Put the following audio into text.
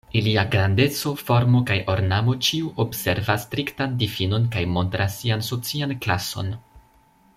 Iliaj grandeco, formo kaj ornamo ĉiu observas striktan difinon kaj montras sian socian klason.